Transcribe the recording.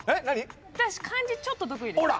私漢字ちょっと得意です。